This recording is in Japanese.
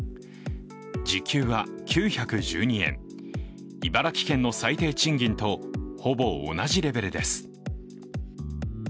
時給は９１２円、茨城県の最低賃金とほぼ同じレベルです。